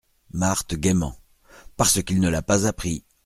Marthe gaiement. — Parce qu’il ne l’a pas appris.